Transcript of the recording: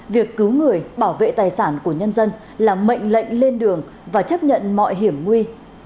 việc cứu người bảo vệ tài sản của nhân dân là mệnh lệnh lên đường và chấp nhận mọi hiểm nguy